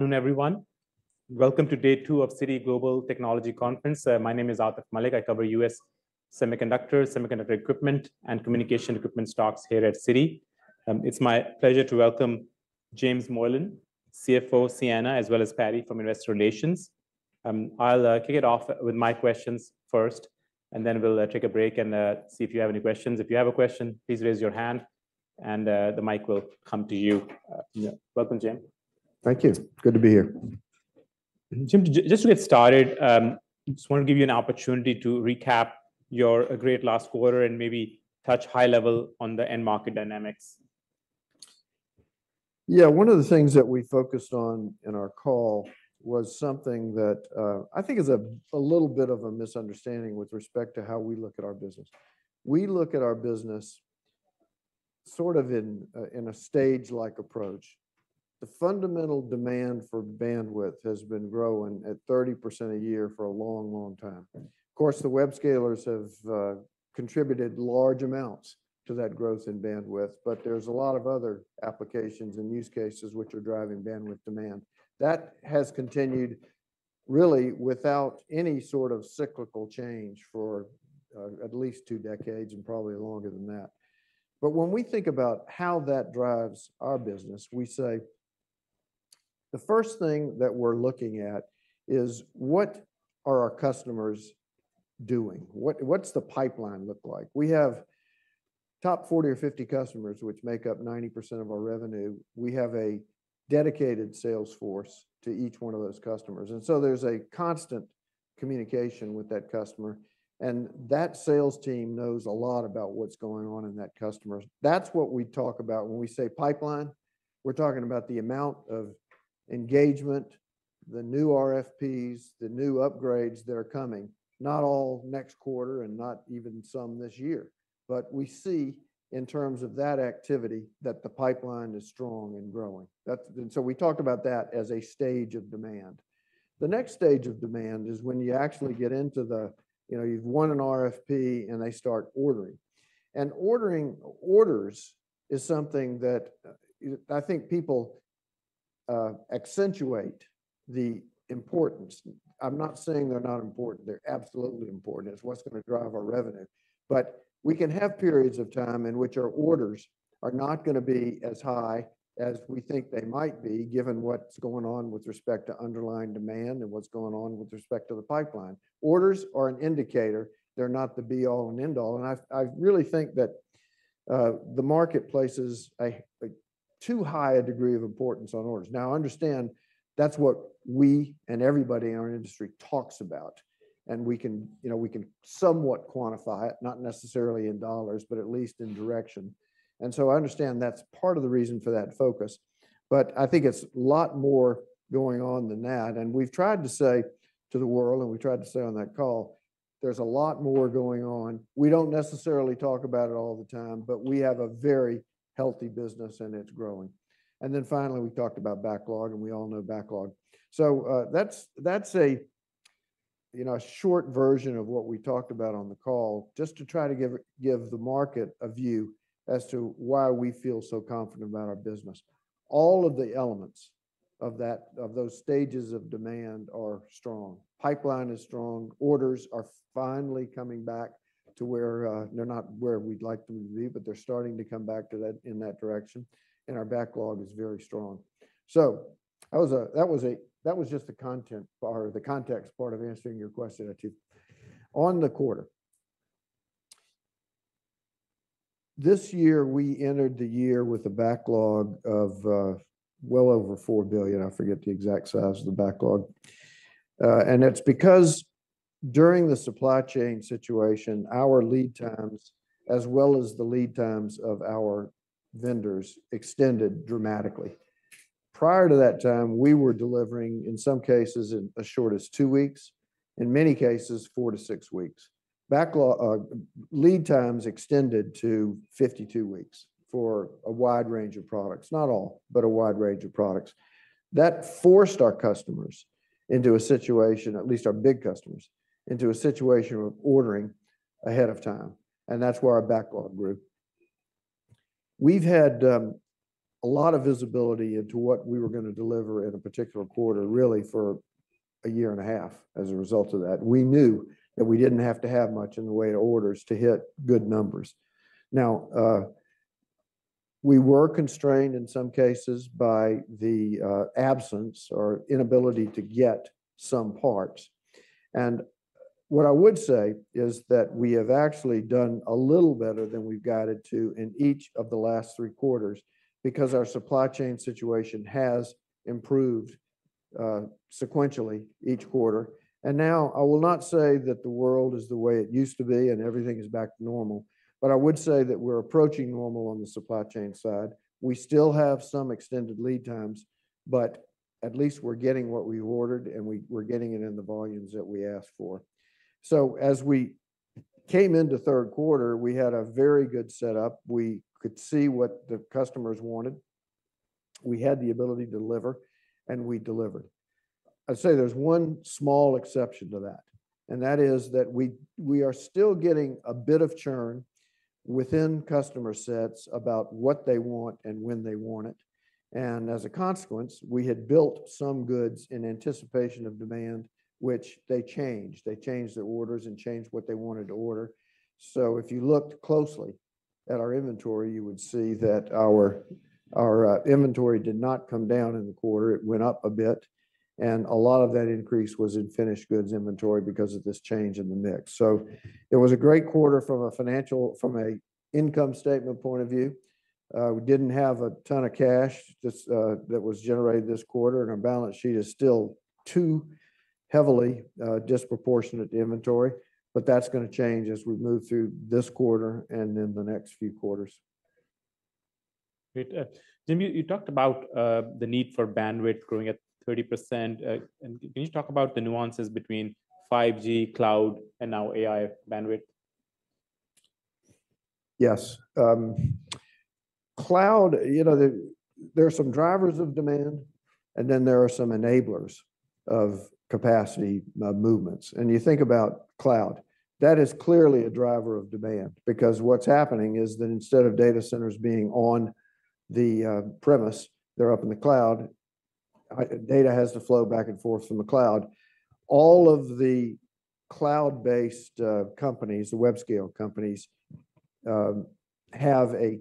Good afternoon, everyone. Welcome to day two of Citi Global Technology Conference. My name is Atif Malik. I cover U.S. semiconductor, semiconductor equipment, and communication equipment stocks here at Citi. It's my pleasure to welcome James Moylan, CFO, Ciena, as well as Patti from Investor Relations. I'll kick it off with my questions first, and then we'll take a break and see if you have any questions. If you have a question, please raise your hand, and the mic will come to you. Yeah, welcome, Jim. Thank you. Good to be here. Jim, just to get started, just want to give you an opportunity to recap your great last quarter and maybe touch high level on the end market dynamics. Yeah, one of the things that we focused on in our call was something that, I think is a, a little bit of a misunderstanding with respect to how we look at our business. We look at our business sort of in a, in a stage-like approach. The fundamental demand for bandwidth has been growing at 30% a year for a long, long time. Of course, the web scalers have contributed large amounts to that growth in bandwidth, but there's a lot of other applications and use cases which are driving bandwidth demand. That has continued really without any sort of cyclical change for at least two decades and probably longer than that. But when we think about how that drives our business, we say: the first thing that we're looking at is what are our customers doing? What, what's the pipeline look like? We have top 40 or 50 customers, which make up 90% of our revenue. We have a dedicated sales force to each one of those customers, and so there's a constant communication with that customer, and that sales team knows a lot about what's going on in that customer. That's what we talk about when we say pipeline. We're talking about the amount of engagement, the new RFPs, the new upgrades that are coming, not all next quarter and not even some this year. But we see in terms of that activity, that the pipeline is strong and growing. That's, and so we talked about that as a stage of demand. The next stage of demand is when you actually get into the, you know, you've won an RFP, and they start ordering. And ordering, orders is something that, I think people accentuate the importance. I'm not saying they're not important. They're absolutely important. It's what's gonna drive our revenue. But we can have periods of time in which our orders are not gonna be as high as we think they might be, given what's going on with respect to underlying demand and what's going on with respect to the pipeline. Orders are an indicator. They're not the be-all and end-all, and I really think that the market places too high a degree of importance on orders. Now, understand, that's what we and everybody in our industry talks about, and we can, you know, we can somewhat quantify it, not necessarily in dollars, but at least in direction. And so I understand that's part of the reason for that focus, but I think it's a lot more going on than that. And we've tried to say to the world, and we tried to say on that call, there's a lot more going on. We don't necessarily talk about it all the time, but we have a very healthy business, and it's growing. And then finally, we talked about backlog, and we all know backlog. So, that's, that's a, you know, a short version of what we talked about on the call, just to try to give, give the market a view as to why we feel so confident about our business. All of the elements of that, of those stages of demand are strong. Pipeline is strong, orders are finally coming back to where... they're not where we'd like them to be, but they're starting to come back to that, in that direction, and our backlog is very strong. So that was just the content part, or the context part of answering your question, Atif. On the quarter, this year, we entered the year with a backlog of well over $4 billion. I forget the exact size of the backlog. And it's because during the supply chain situation, our lead times, as well as the lead times of our vendors, extended dramatically. Prior to that time, we were delivering, in some cases, in as short as two weeks, in many cases, four to six weeks. Backlog lead times extended to 52 weeks for a wide range of products. Not all, but a wide range of products. That forced our customers into a situation, at least our big customers, into a situation of ordering ahead of time, and that's where our backlog grew. We've had a lot of visibility into what we were gonna deliver in a particular quarter, really for a year and a half, as a result of that. We knew that we didn't have to have much in the way of orders to hit good numbers. Now, we were constrained in some cases by the absence or inability to get some parts. What I would say is that we have actually done a little better than we've guided to in each of the last three quarters because our supply chain situation has improved sequentially each quarter. Now, I will not say that the world is the way it used to be and everything is back to normal, but I would say that we're approaching normal on the supply chain side. We still have some extended lead times, but at least we're getting what we ordered, and we're getting it in the volumes that we asked for. So as we came into third quarter, we had a very good setup. We could see what the customers wanted. We had the ability to deliver, and we delivered. I'd say there's one small exception to that, and that is that we are still getting a bit of churn within customer sets about what they want and when they want it. And as a consequence, we had built some goods in anticipation of demand, which they changed. They changed their orders and changed what they wanted to order. So if you looked closely at our inventory, you would see that our inventory did not come down in the quarter. It went up a bit, and a lot of that increase was in finished goods inventory because of this change in the mix. So it was a great quarter from an income statement point of view. We didn't have a ton of cash that was generated this quarter, and our balance sheet is still too heavily disproportionate to inventory, but that's gonna change as we move through this quarter and in the next few quarters. Great. Jim, you talked about the need for bandwidth growing at 30%. And can you talk about the nuances between 5G, cloud, and now AI bandwidth? Yes. Cloud, you know, there are some drivers of demand, and then there are some enablers of capacity movements. You think about cloud. That is clearly a driver of demand because what's happening is that instead of data centers being on the premise, they're up in the cloud. Data has to flow back and forth from the cloud. All of the cloud-based companies, the web-scale companies, have a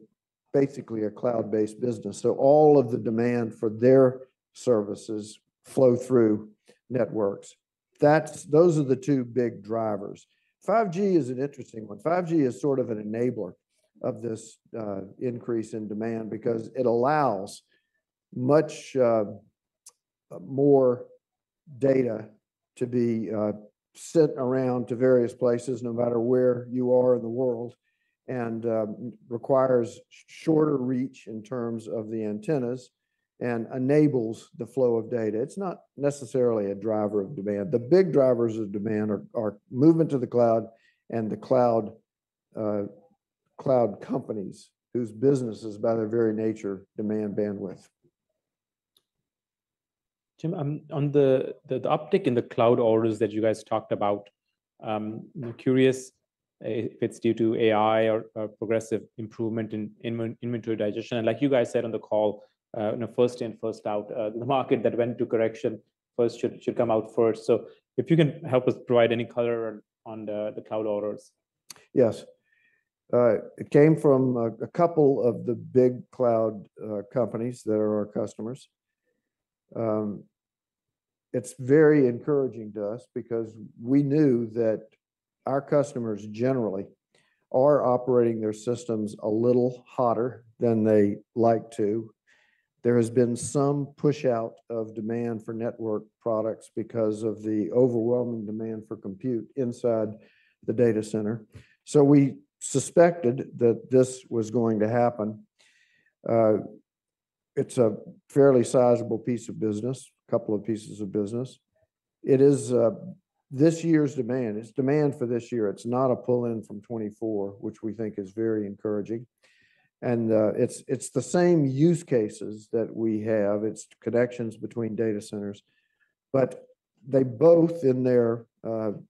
basically a cloud-based business, so all of the demand for their services flow through networks. That's. Those are the two big drivers. 5G is an interesting one. 5G is sort of an enabler of this, increase in demand because it allows much, more data to be, sent around to various places no matter where you are in the world, and, requires shorter reach in terms of the antennas and enables the flow of data. It's not necessarily a driver of demand. The big drivers of demand are movement to the cloud and the cloud, cloud companies whose business is by their very nature, demand bandwidth. Jim, on the uptick in the cloud orders that you guys talked about, I'm curious if it's due to AI or progressive improvement in inventory digestion. And like you guys said on the call, you know, first in, first out, the market that went to correction first should come out first. So if you can help us provide any color on the cloud orders. Yes. It came from a couple of the big cloud companies that are our customers. It's very encouraging to us because we knew that our customers generally are operating their systems a little hotter than they like to. There has been some push out of demand for network products because of the overwhelming demand for compute inside the data center. So we suspected that this was going to happen. It's a fairly sizable piece of business, a couple of pieces of business. It is this year's demand. It's demand for this year. It's not a pull-in from 2024, which we think is very encouraging, and it's the same use cases that we have. It's connections between data centers, but they both, in their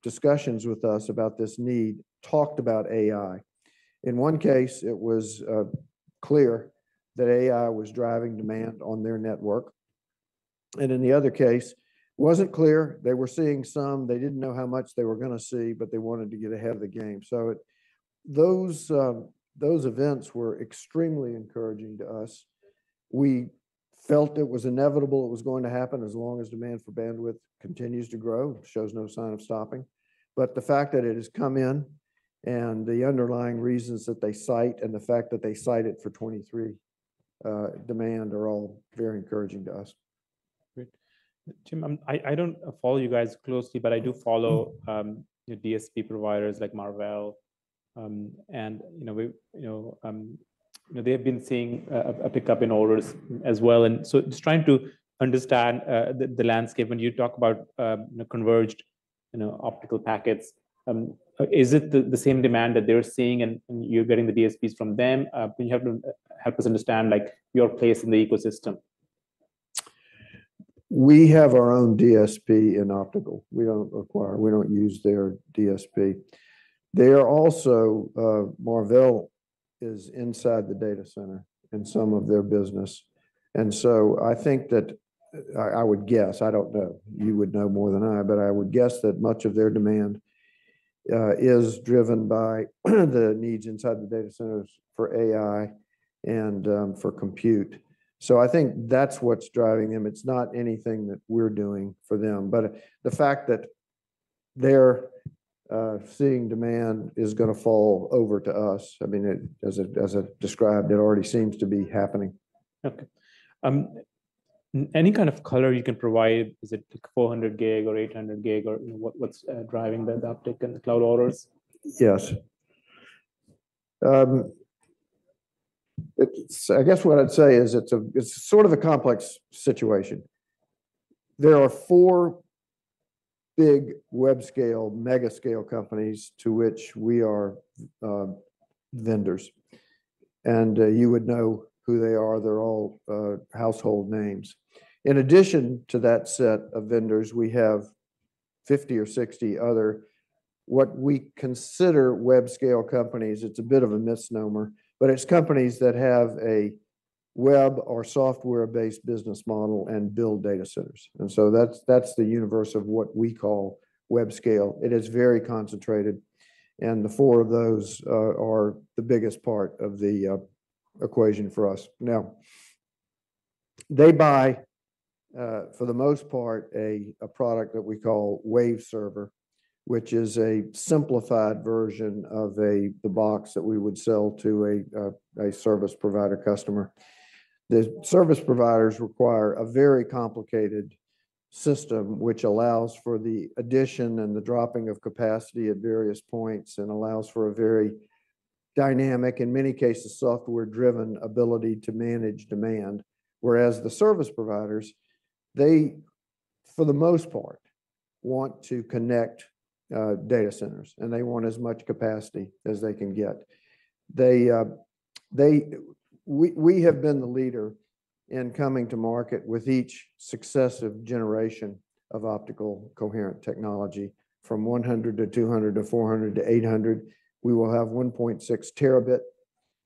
discussions with us about this need, talked about AI. In one case, it was clear that AI was driving demand on their network, and in the other case, wasn't clear. They were seeing some. They didn't know how much they were gonna see, but they wanted to get ahead of the game. So those, those events were extremely encouraging to us. We felt it was inevitable it was going to happen as long as demand for bandwidth continues to grow, shows no sign of stopping. But the fact that it has come in and the underlying reasons that they cite and the fact that they cite it for 2023 demand are all very encouraging to us. Great. Jim, I don't follow you guys closely, but I do follow the DSP providers like Marvell, and, you know, they've been seeing a pickup in orders as well. And so just trying to understand the landscape, when you talk about, you know, converged, you know, optical packets, is it the same demand that they're seeing, and you're getting the DSPs from them? Can you help us understand, like, your place in the ecosystem? We have our own DSP in optics. We don't require... We don't use their DSP. They are also, Marvell is inside the data center in some of their business. And so I think that, I would guess, I don't know, you would know more than I, but I would guess that much of their demand is driven by the needs inside the data centers for AI and for compute. So I think that's what's driving them. It's not anything that we're doing for them, but the fact that they're seeing demand is gonna fall over to us, I mean, it, as it described, it already seems to be happening. Okay. Any kind of color you can provide, is it 400 Gb or 800 Gb? Or what's driving the uptick in the cloud orders? Yes. It's, I guess what I'd say is it's a, it's sort of a complex situation. There are four big web scale, mega scale companies to which we are vendors. And you would know who they are. They're all household names. In addition to that set of vendors, we have 50 or 60 other, what we consider web scale companies. It's a bit of a misnomer, but it's companies that have a web or software-based business model and build data centers. And so that's, that's the universe of what we call web scale. It is very concentrated, and the four of those are the biggest part of the equation for us. Now, they buy, for the most part, a product that we call Waveserver, which is a simplified version of the box that we would sell to a service provider customer. The service providers require a very complicated system which allows for the addition and the dropping of capacity at various points, and allows for a very dynamic, in many cases, software-driven ability to manage demand. Whereas the service providers, for the most part, want to connect data centers, and they want as much capacity as they can get. We have been the leader in coming to market with each successive generation of optical coherent technology, from 100 Gb to 200 Gb, to 400 Gb to 800 Gb. We will have 1.6 Tb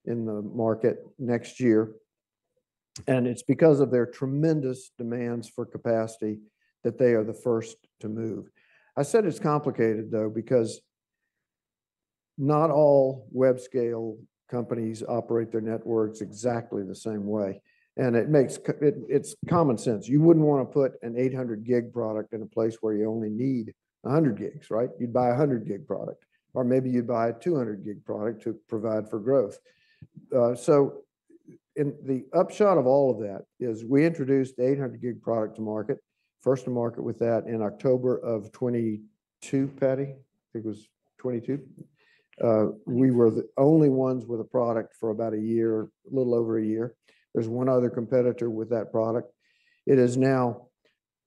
in the market next year, and it's because of their tremendous demands for capacity that they are the first to move. I said it's complicated, though, because not all web scale companies operate their networks exactly the same way, and it makes it, it's common sense. You wouldn't want to put an 800 Gb product in a place where you only need 100 Gb, right? You'd buy a 100 Gb product, or maybe you'd buy a 200 Gb product to provide for growth. So and the upshot of all of that is we introduced the 800 Gb product to market, first to market with that in October 2022, Patti? I think it was 2022. We were the only ones with a product for about a year, a little over a year. There's one other competitor with that product. It is now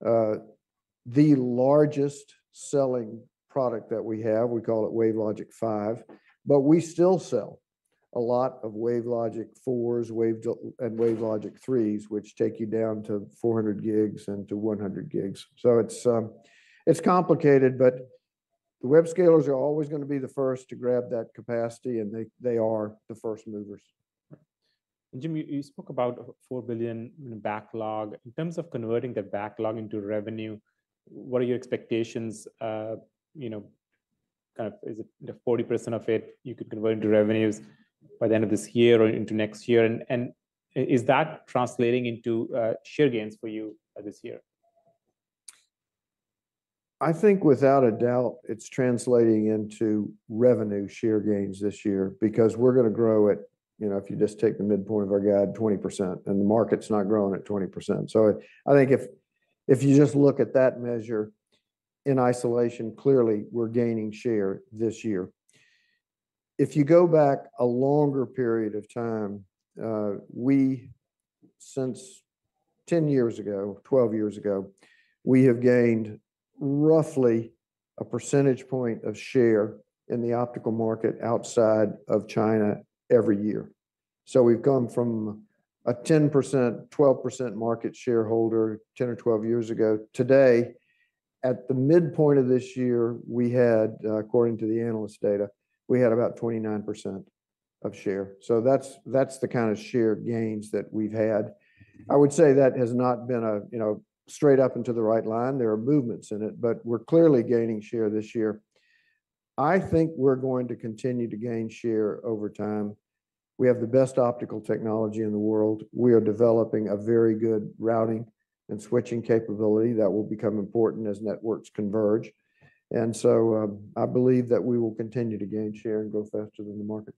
the largest selling product that we have. We call it WaveLogic 5, but we still sell a lot of WaveLogic 4s, Wave and WaveLogic 3s, which take you down to 400 Gb and to 100 Gb. So it's, it's complicated, but the Web scalers are always going to be the first to grab that capacity, and they, they are the first movers. Right. Jim, you spoke about $4 billion in backlog. In terms of converting the backlog into revenue, what are your expectations? You know, kind of is it 40% of it you could convert into revenues by the end of this year or into next year? And is that translating into share gains for you this year? I think without a doubt, it's translating into revenue share gains this year because we're going to grow at, you know, if you just take the midpoint of our guide, 20%, and the market's not growing at 20%. So I think if, if you just look at that measure in isolation, clearly we're gaining share this year. If you go back a longer period of time, since 10 years ago, 12 years ago, we have gained roughly a percentage point of share in the optical market outside of China every year. So we've gone from a 10%, 12% market share 10 or 12 years ago. Today, at the midpoint of this year, we had, according to the analyst data, we had about 29% of share. So that's, that's the kind of share gains that we've had. I would say that has not been a, you know, straight up into the right line. There are movements in it, but we're clearly gaining share this year. I think we're going to continue to gain share over time. We have the best optical technology in the world. We are developing a very good routing and switching capability that will become important as networks converge. And so, I believe that we will continue to gain share and grow faster than the market.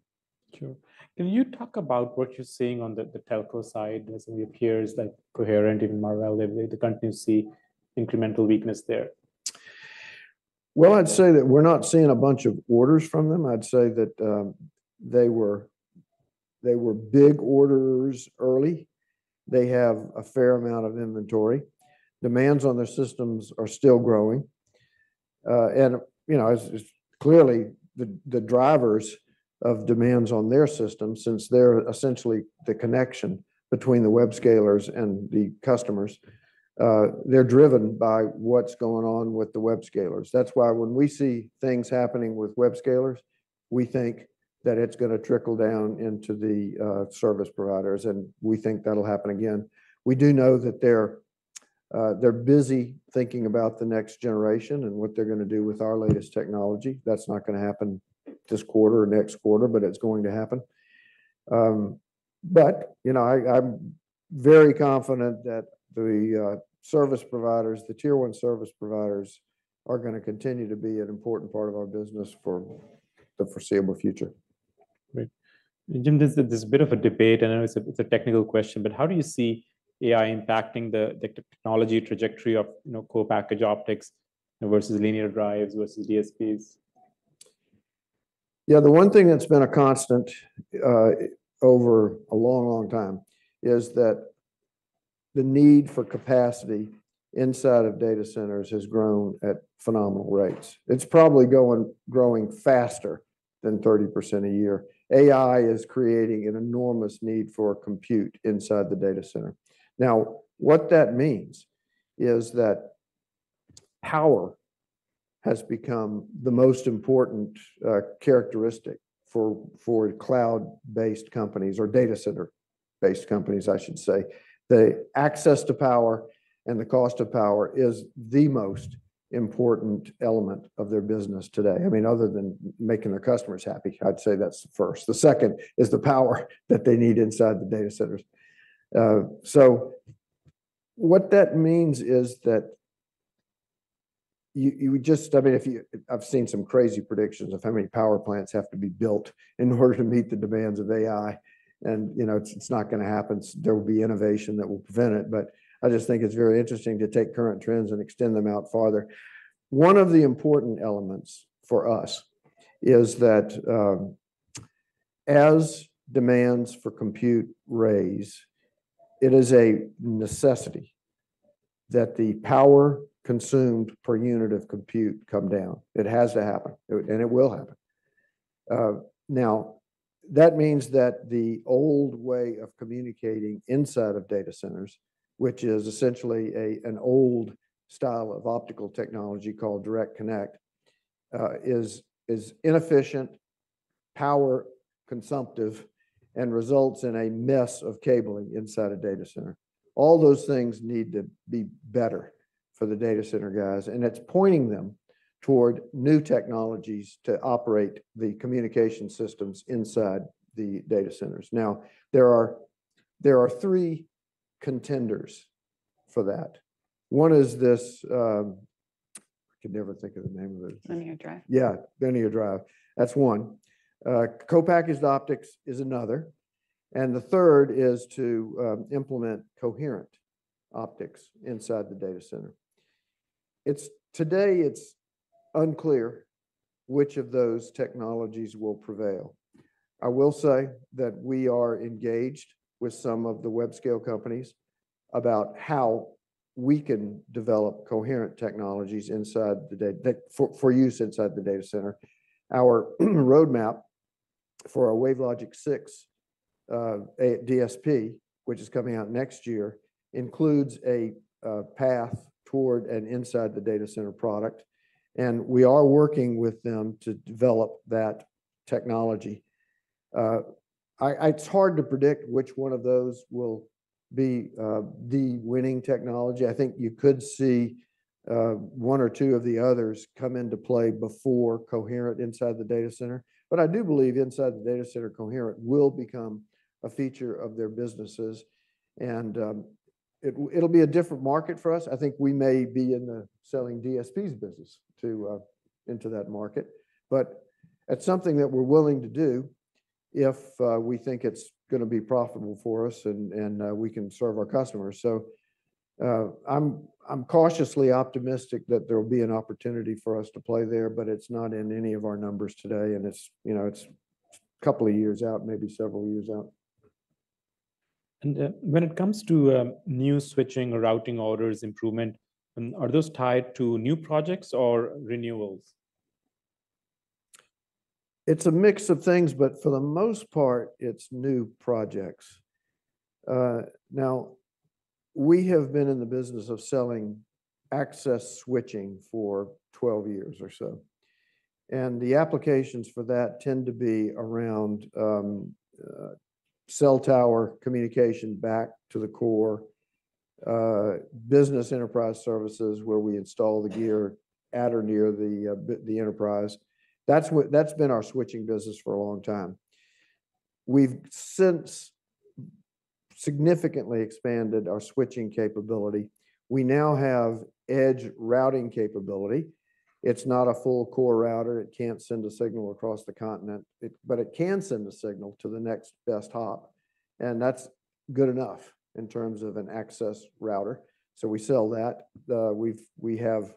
Sure. Can you talk about what you're seeing on the telco side as it appears, like, coherent, even more relevantly, the continue to see incremental weakness there? Well, I'd say that we're not seeing a bunch of orders from them. I'd say that they were big orders early. They have a fair amount of inventory. Demands on their systems are still growing. And, you know, as clearly the drivers of demands on their system, since they're essentially the connection between the web scalers and the customers, they're driven by what's going on with the web scalers. That's why when we see things happening with web scalers, we think that it's going to trickle down into the service providers, and we think that'll happen again. We do know that they're busy thinking about the next generation and what they're going to do with our latest technology. That's not going to happen this quarter or next quarter, but it's going to happen. But, you know, I, I'm very confident that the service providers, the Tier 1 service providers, are going to continue to be an important part of our business for the foreseeable future. Great. Jim, there's a bit of a debate, and I know it's a technical question, but how do you see AI impacting the technology trajectory of, you know, co-packaged optics versus linear drives versus DSPs? ... Yeah, the one thing that's been a constant over a long, long time is that the need for capacity inside of data centers has grown at phenomenal rates. It's probably growing faster than 30% a year. AI is creating an enormous need for compute inside the data center. Now, what that means is that power has become the most important characteristic for cloud-based companies or data center-based companies, I should say. The access to power and the cost of power is the most important element of their business today. I mean, other than making their customers happy, I'd say that's the first. The second is the power that they need inside the data centers. What that means is that you would just-- I mean, if you-- I've seen some crazy predictions of how many power plants have to be built in order to meet the demands of AI, and, you know, it's not gonna happen. There will be innovation that will prevent it, but I just think it's very interesting to take current trends and extend them out farther. One of the important elements for us is that, as demands for compute raise, it is a necessity that the power consumed per unit of compute come down. It has to happen, and it will happen. Now, that means that the old way of communicating inside of data centers, which is essentially an old style of optical technology called Direct Connect, is inefficient, power-consumptive, and results in a mess of cabling inside a data center. All those things need to be better for the data center guys, and it's pointing them toward new technologies to operate the communication systems inside the data centers. Now, there are three contenders for that. One is this, I can never think of the name of it. Linear drive. Yeah, linear drive. That's one. Co-packaged optics is another, and the third is to implement coherent optics inside the data center. Today, it's unclear which of those technologies will prevail. I will say that we are engaged with some of the web scale companies about how we can develop coherent technologies inside the data center that for use inside the data center. Our roadmap for our WaveLogic 6 DSP, which is coming out next year, includes a path toward and inside the data center product, and we are working with them to develop that technology. It's hard to predict which one of those will be the winning technology. I think you could see one or two of the others come into play before coherent inside the data center. But I do believe inside the data center, coherent will become a feature of their businesses, and, it'll be a different market for us. I think we may be in the selling DSPs business into that market, but it's something that we're willing to do if we think it's gonna be profitable for us and we can serve our customers. So, I'm cautiously optimistic that there will be an opportunity for us to play there, but it's not in any of our numbers today, and it's, you know, it's a couple of years out, maybe several years out. When it comes to new switching or routing orders improvement, are those tied to new projects or renewals? It's a mix of things, but for the most part, it's new projects. Now, we have been in the business of selling access switching for 12 years or so, and the applications for that tend to be around cell tower communication back to the core, business enterprise services, where we install the gear at or near the enterprise. That's what, that's been our switching business for a long time. We've since significantly expanded our switching capability. We now have edge routing capability. It's not a full core router. It can't send a signal across the continent, it, but it can send a signal to the next best hop, and that's good enough in terms of an access router. So we sell that. We have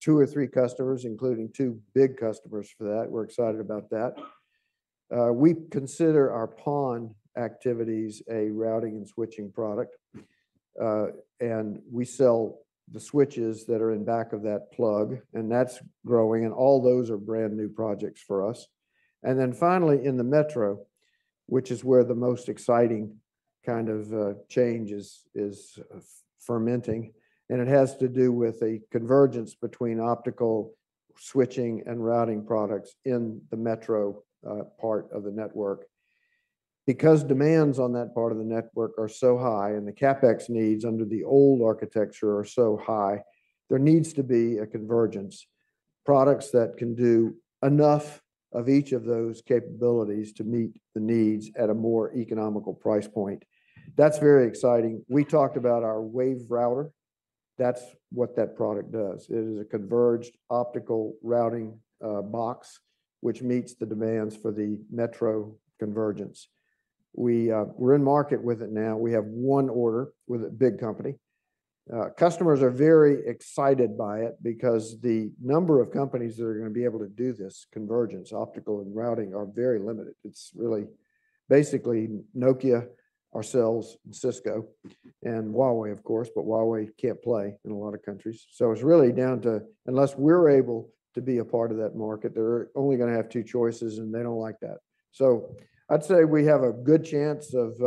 two or three customers, including two big customers, for that. We're excited about that. We consider our PON activities a routing and switching product, and we sell the switches that are in back of that plug, and that's growing, and all those are brand-new projects for us. Then finally, in the metro, which is where the most exciting kind of change is fermenting, and it has to do with a convergence between optical switching and routing products in the metro part of the network. Because demands on that part of the network are so high and the CapEx needs under the old architecture are so high, there needs to be a convergence, products that can do enough of each of those capabilities to meet the needs at a more economical price point. That's very exciting. We talked about our WaveRouter. That's what that product does. It is a converged optical routing box, which meets the demands for the metro convergence. We, we're in market with it now. We have one order with a big company. Customers are very excited by it because the number of companies that are going to be able to do this convergence, optical and routing, are very limited. It's really basically Nokia, ourselves, and Cisco, and Huawei, of course, but Huawei can't play in a lot of countries. So it's really down to, unless we're able to be a part of that market, they're only going to have two choices, and they don't like that. So I'd say we have a good chance of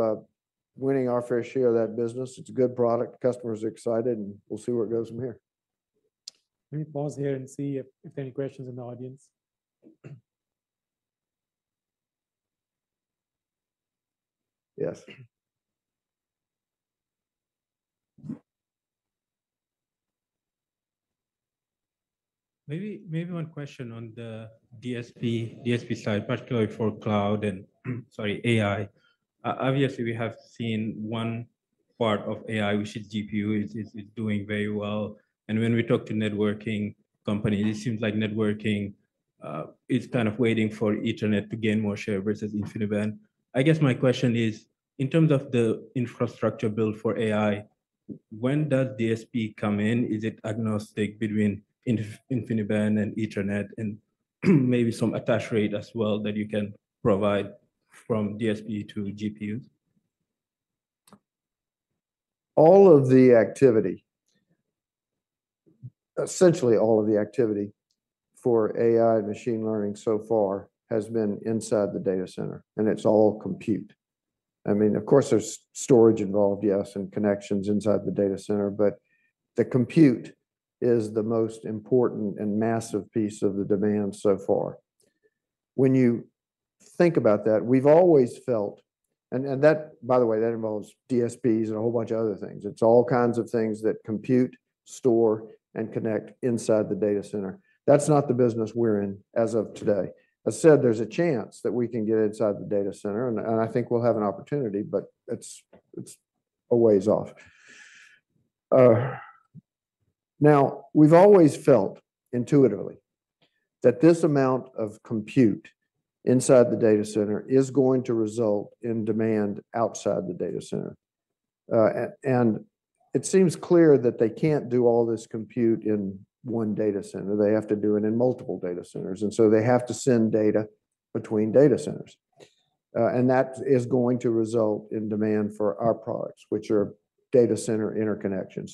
winning our fair share of that business. It's a good product, customers are excited, and we'll see where it goes from here. Let me pause here and see if there are any questions in the audience. Yes. Maybe one question on the DSP side, particularly for cloud and, sorry, AI. Obviously, we have seen one part of AI, which is GPU, is doing very well. And when we talk to networking companies, it seems like networking is kind of waiting for Ethernet to gain more share versus InfiniBand. I guess my question is, in terms of the infrastructure build for AI, when does DSP come in? Is it agnostic between InfiniBand and Ethernet, and maybe some attach rate as well that you can provide from DSP to GPUs? All of the activity, essentially all of the activity for AI machine learning so far has been inside the data center, and it's all compute. I mean, of course, there's storage involved, yes, and connections inside the data center, but the compute is the most important and massive piece of the demand so far. When you think about that, we've always felt, and, and that, by the way, that involves DSPs and a whole bunch of other things. It's all kinds of things that compute, store, and connect inside the data center. That's not the business we're in as of today. I said there's a chance that we can get inside the data center, and, and I think we'll have an opportunity, but it's, it's a ways off. Now, we've always felt intuitively that this amount of compute inside the data center is going to result in demand outside the data center. And it seems clear that they can't do all this compute in one data center. They have to do it in multiple data centers, and so they have to send data between data centers. And that is going to result in demand for our products, which are data center interconnections.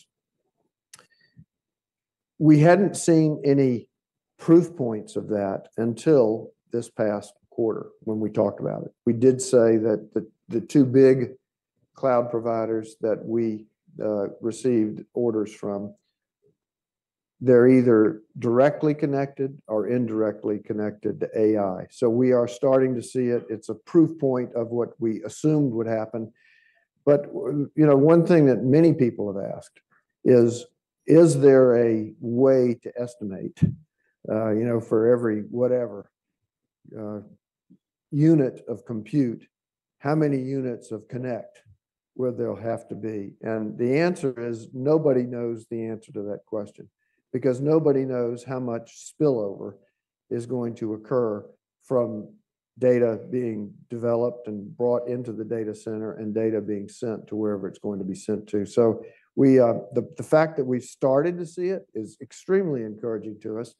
We hadn't seen any proof points of that until this past quarter when we talked about it. We did say that the two big cloud providers that we received orders from, they're either directly connected or indirectly connected to AI. So we are starting to see it. It's a proof point of what we assumed would happen. You know, one thing that many people have asked is: Is there a way to estimate, you know, for every whatever, unit of compute, how many units of connect where there'll have to be? The answer is, nobody knows the answer to that question because nobody knows how much spillover is going to occur from data being developed and brought into the data center and data being sent to wherever it's going to be sent to. So we, the fact that we've started to see it is extremely encouraging to us,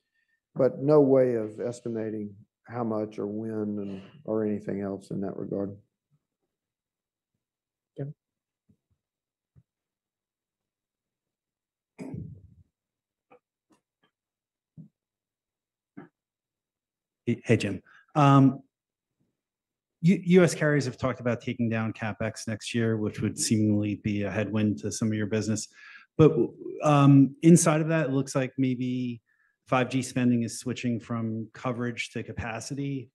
but no way of estimating how much or when or anything else in that regard. Jim? Hey, Jim. U.S. carriers have talked about taking down CapEx next year, which would seemingly be a headwind to some of your business. Inside of that, it looks like maybe 5G spending is switching from coverage to capacity.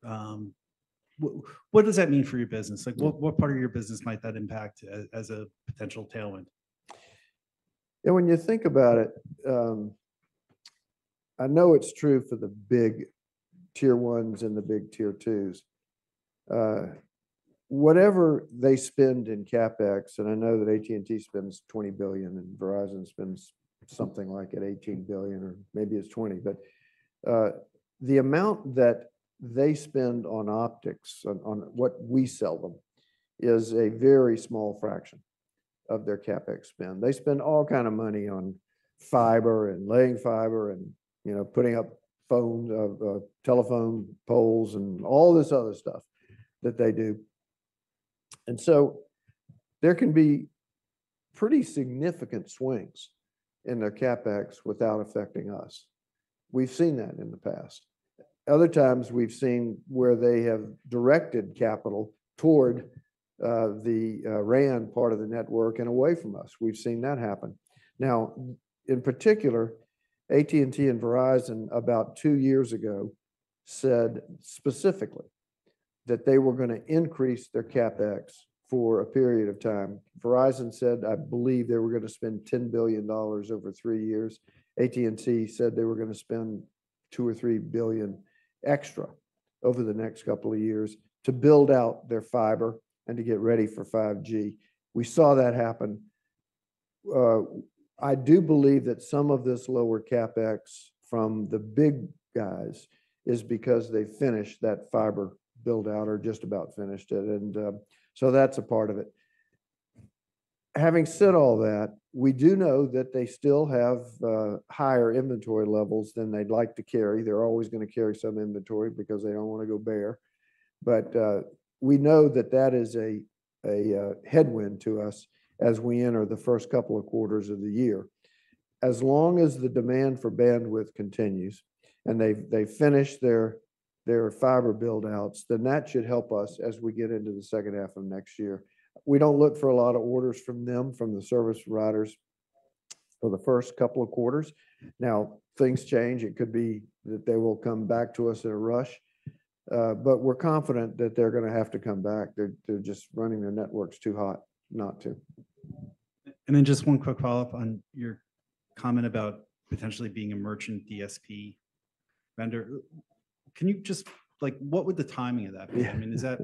What does that mean for your business? Like, what, what part of your business might that impact as a potential tailwind? When you think about it, I know it's true for the big Tier 1s and the big Tier 2s. Whatever they spend in CapEx, and I know that AT&T spends $20 billion and Verizon spends something like $18 billion, or maybe it's $20 billion, but the amount that they spend on optics, on what we sell them, is a very small fraction of their CapEx spend. They spend all kind of money on fiber and laying fiber and, you know, putting up telephone poles and all this other stuff that they do. And so there can be pretty significant swings in their CapEx without affecting us. We've seen that in the past. Other times, we've seen where they have directed capital toward the RAN part of the network and away from us. We've seen that happen. Now, in particular, AT&T and Verizon, about two years ago, said specifically that they were going to increase their CapEx for a period of time. Verizon said, I believe they were going to spend $10 billion over three years. AT&T said they were going to spend $2-$3 billion extra over the next couple of years to build out their fiber and to get ready for 5G. We saw that happen. I do believe that some of this lower CapEx from the big guys is because they finished that fiber build-out or just about finished it, and so that's a part of it. Having said all that, we do know that they still have higher inventory levels than they'd like to carry. They're always gonna carry some inventory because they don't want to go bare. But we know that that is a headwind to us as we enter the first couple of quarters of the year. As long as the demand for bandwidth continues, and they've finished their fiber build-outs, then that should help us as we get into the second half of next year. We don't look for a lot of orders from them, from the service routers, for the first couple of quarters. Now, things change. It could be that they will come back to us in a rush, but we're confident that they're gonna have to come back. They're just running their networks too hot not to. And then just one quick follow-up on your comment about potentially being a merchant DSP vendor. Can you just, like, what would the timing of that be? Yeah. I mean, is that,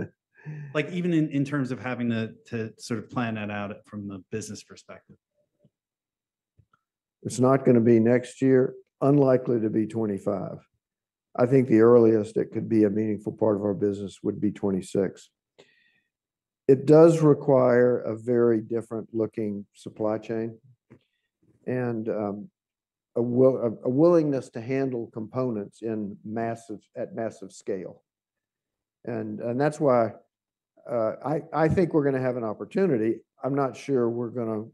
like, even in terms of having to sort of plan that out from the business perspective? It's not gonna be next year, unlikely to be 2025. I think the earliest it could be a meaningful part of our business would be 2026. It does require a very different looking supply chain and a willingness to handle components in massive, at massive scale. And that's why I think we're gonna have an opportunity. I'm not sure we're gonna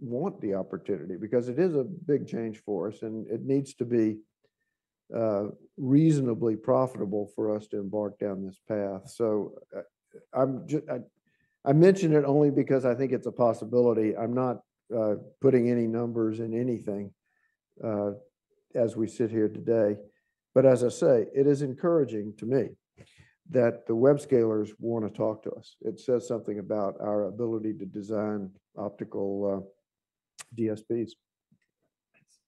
want the opportunity, because it is a big change for us, and it needs to be reasonably profitable for us to embark down this path. So, I mention it only because I think it's a possibility. I'm not putting any numbers in anything as we sit here today. But as I say, it is encouraging to me that the web scalers want to talk to us. It says something about our ability to design optical DSPs. Thanks.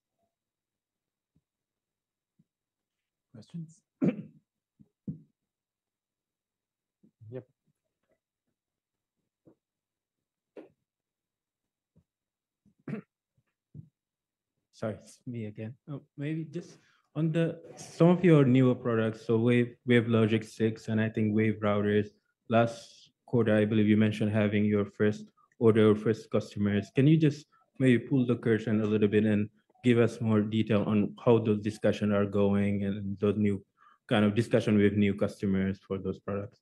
Questions? Yep. Sorry, it's me again. Oh, maybe just on the, some of your newer products, so Wave, WaveLogic 6, and I think WaveRouter, last quarter, I believe you mentioned having your first order, first customers. Can you just maybe pull the curtain a little bit and give us more detail on how those discussions are going and those new kind of discussion with new customers for those products?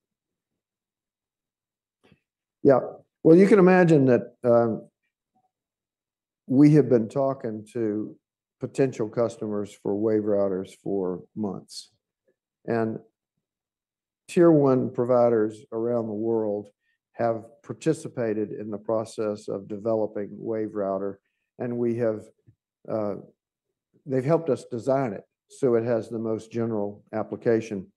Yeah. Well, you can imagine that, we have been talking to potential customers for WaveRouter for months, and Tier 1 providers around the world have participated in the process of developing WaveRouter, and we have, they've helped us design it, so it has the most general application.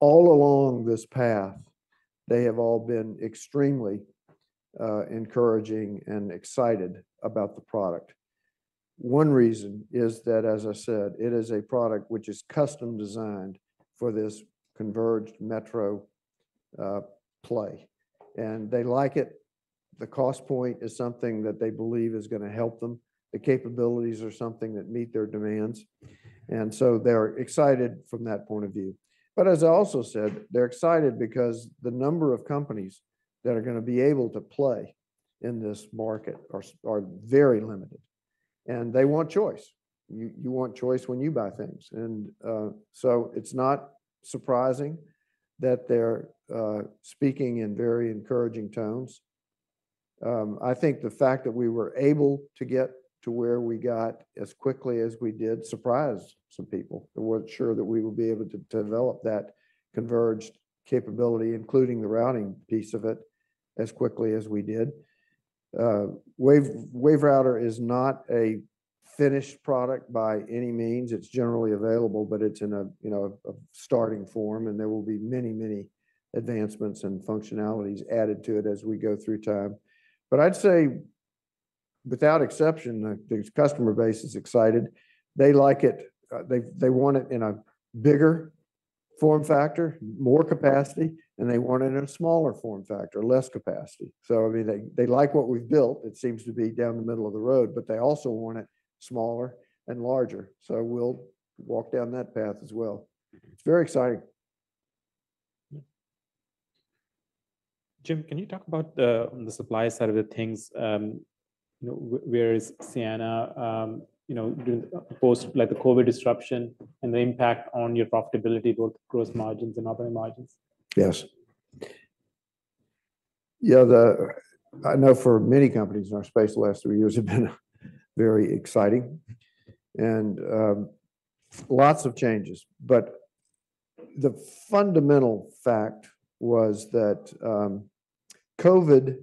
All along this path, they have all been extremely, encouraging and excited about the product. One reason is that, as I said, it is a product which is custom-designed for this converged metro, play, and they like it. The cost point is something that they believe is gonna help them. The capabilities are something that meet their demands, and so they're excited from that point of view. But as I also said, they're excited because the number of companies that are gonna be able to play in this market are, are very limited, and they want choice. You want choice when you buy things. And, so it's not surprising that they're speaking in very encouraging tones. I think the fact that we were able to get to where we got as quickly as we did surprised some people, who weren't sure that we would be able to develop that converged capability, including the routing piece of it, as quickly as we did. WaveRouter is not a finished product by any means. It's generally available, but it's in a, you know, a starting form, and there will be many, many advancements and functionalities added to it as we go through time. But I'd say without exception, the customer base is excited. They like it. They want it in a bigger form factor, more capacity, and they want it in a smaller form factor, less capacity. I mean, they, they like what we've built. It seems to be down the middle of the road, but they also want it smaller and larger, so we'll walk down that path as well. It's very exciting. Yeah. Jim, can you talk about, on the supply side of the things, you know, where is Ciena, you know, doing post, like, the COVID disruption and the impact on your profitability, both gross margins and operating margins? Yes. Yeah, I know for many companies in our space, the last three years have been very exciting and, lots of changes. But the fundamental fact was that, COVID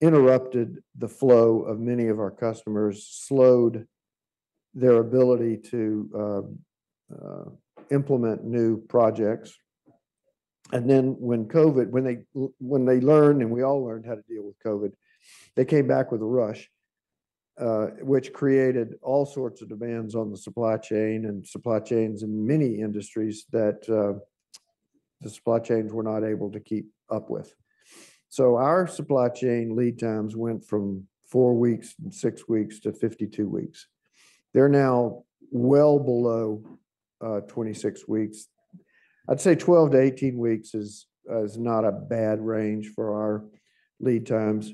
interrupted the flow of many of our customers, slowed their ability to, implement new projects. And then when COVID, when they learned, and we all learned how to deal with COVID, they came back with a rush, which created all sorts of demands on the supply chain and supply chains in many industries that, the supply chains were not able to keep up with. So our supply chain lead times went from four weeks and six weeks to 52 weeks. They're now well below 26 weeks. I'd say 12-18 weeks is not a bad range for our lead times.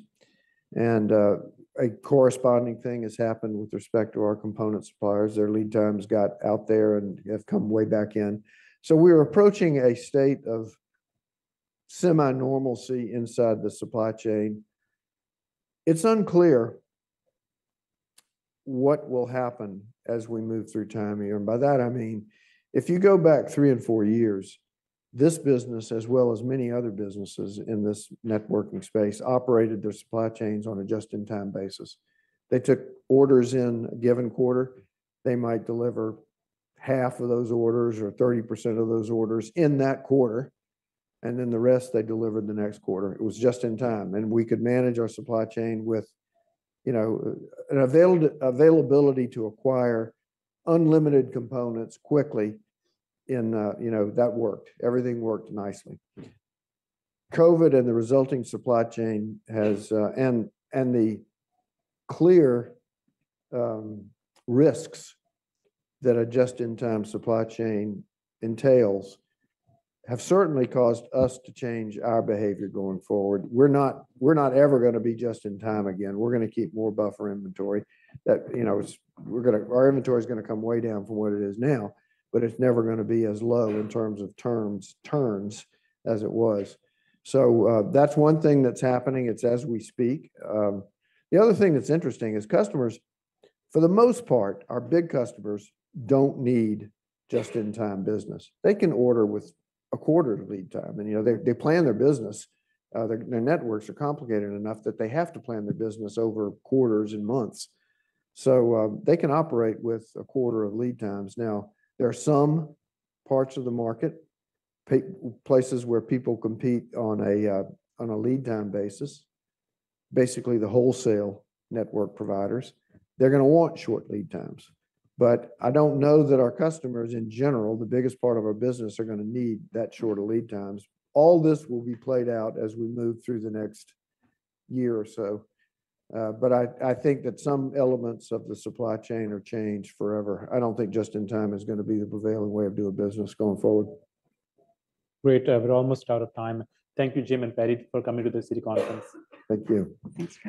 A corresponding thing has happened with respect to our component suppliers. Their lead times got out there and have come way back in. So we're approaching a state of semi-normalcy inside the supply chain. It's unclear what will happen as we move through time here, and by that I mean, if you go back three and four years, this business, as well as many other businesses in this networking space, operated their supply chains on a just-in-time basis. They took orders in a given quarter, they might deliver half of those orders or 30% of those orders in that quarter, and then the rest they delivered the next quarter. It was just in time, and we could manage our supply chain with, you know, an availability to acquire unlimited components quickly in, you know, that worked. Everything worked nicely. COVID and the resulting supply chain has. And the clear risks that a just-in-time supply chain entails have certainly caused us to change our behavior going forward. We're not, we're not ever gonna be just-in-time again. We're gonna keep more buffer inventory that, you know, we're gonna. Our inventory is gonna come way down from what it is now, but it's never gonna be as low in terms of terms, turns as it was. So, that's one thing that's happening. It's as we speak. The other thing that's interesting is customers, for the most part, our big customers don't need just-in-time business. They can order with a quarter of lead time, and, you know, they plan their business, their networks are complicated enough that they have to plan their business over quarters and months. So, they can operate with a quarter of lead times. Now, there are some parts of the market, places where people compete on a, on a lead time basis. Basically, the wholesale network providers, they're gonna want short lead times, but I don't know that our customers in general, the biggest part of our business, are gonna need that shorter lead times. All this will be played out as we move through the next year or so. But I think that some elements of the supply chain have changed forever. I don't think just-in-time is gonna be the prevailing way of doing business going forward. Great. We're almost out of time. Thank you, Jim and Patti, for coming to the Citi conference. Thank you. Thanks for having us.